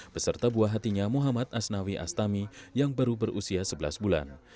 beserta buah hatinya muhammad asnawi astami yang baru berusia sebelas bulan